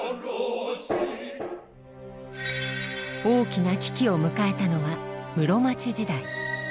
大きな危機を迎えたのは室町時代。